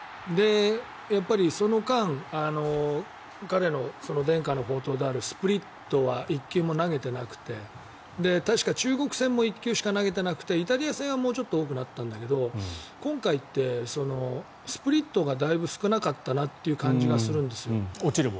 やっぱり、その間彼の伝家の宝刀であるスプリットは１球も投げていなくて確か、中国戦も１球しか投げてなくてイタリア戦はもうちょっと多くなったんだけど今回ってスプリットがだいぶ少なかったなという感じがするんですよ。